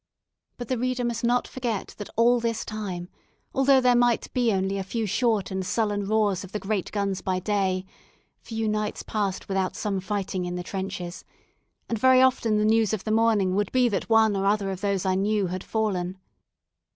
But the reader must not forget that all this time, although there might be only a few short and sullen roars of the great guns by day, few nights passed without some fighting in the trenches; and very often the news of the morning would be that one or other of those I knew had fallen.